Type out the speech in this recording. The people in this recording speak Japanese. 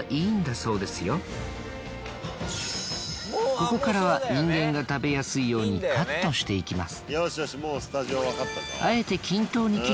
ここからは人間が食べやすいようにカットしていきます。